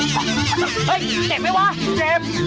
เจ็บไหมวะเจ็บ